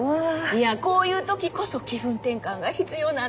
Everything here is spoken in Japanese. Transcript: いやこういうときこそ気分転換が必要なんです。